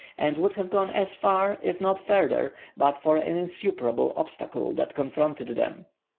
and would have gone as far, if not farther, but for an insuperable obstacle that confronted them.